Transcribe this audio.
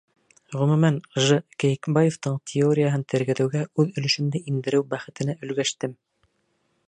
Ғөмүмән, Ж. Кейекбаевтың теорияһын тергеҙеүгә үҙ өлөшөмдө индереү бәхетенә өлгәштем.